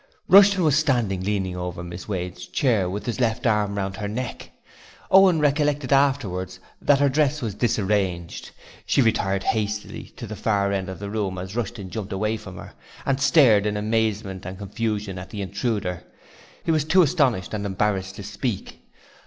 Rushton was standing leaning over Miss Wade's chair with his left arm round her neck. Owen recollected afterwards that her dress was disarranged. She retired hastily to the far end of the room as Rushton jumped away from her, and stared in amazement and confusion at the intruder he was too astonished and embarrassed to speak.